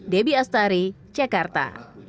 debbie astari cekarta